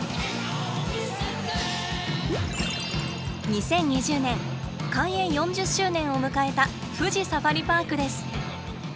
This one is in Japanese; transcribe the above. ２０２０年開園４０周年を迎えた富士サファリパークです。